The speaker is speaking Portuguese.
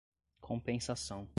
compensação